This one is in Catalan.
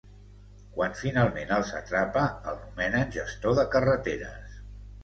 Quan finalment els atrapa, el nomenen gestor de carreteres.